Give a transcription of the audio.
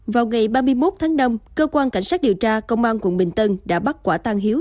vào ngày ba mươi một tháng năm cơ quan cảnh sát điều tra công an quận bình tân đã bắt quả tang hiếu